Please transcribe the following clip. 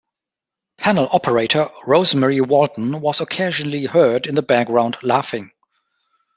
Panel operator Rosemary Walton was occasionally heard in the background laughing.